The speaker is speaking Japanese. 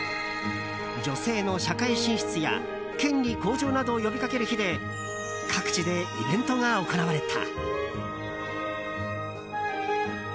女性の社会進出や権利向上などを呼びかける日で各地でイベントが行われた。